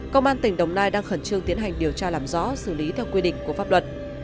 công an tỉnh đồng nai đang khẩn trương tiến hành điều tra làm rõ xử lý theo quy định của pháp luật